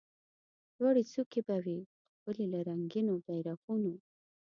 لوړي څوکي به وي ښکلي له رنګینو بیرغونو